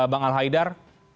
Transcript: bang al haidar